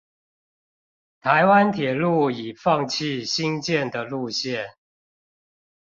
臺灣鐵路已放棄興建的路線